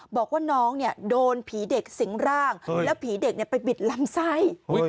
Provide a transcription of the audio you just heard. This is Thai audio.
บอกว่าน้องโดนผีเด็กสิงร่างแล้วผีเด็กไปบิดลำไส้